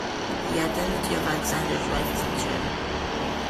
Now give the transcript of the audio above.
The identity of Alexander's wife is uncertain.